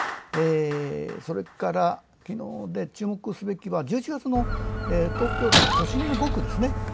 それから昨日で注目すべきは１１月、東京都都心の５区ですね。